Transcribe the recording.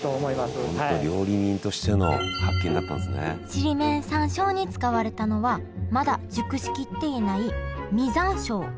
ちりめん山椒に使われたのはまだ熟しきっていない実山椒。